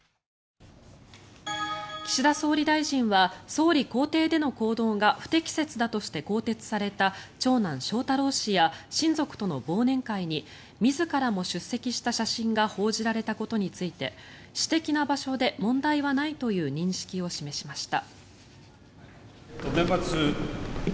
岸田総理大臣は総理公邸での行動が不適切だとして更迭された長男・翔太郎氏や親族との忘年会に自らも出席した写真が報じられたことについて私的な場所で問題はないという認識を示しました。